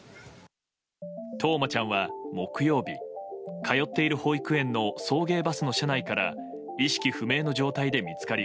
冬生ちゃんは木曜日通っている保育園の送迎バスの車内から意識不明の状態で見つかり